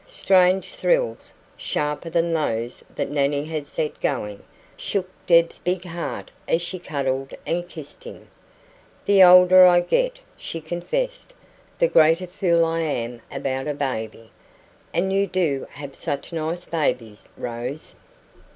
Strange thrills sharper than those that Nannie had set going shook Deb's big heart as she cuddled and kissed him. "The older I get," she confessed, "the greater fool I am about a baby. And you do have such nice babies, Rose."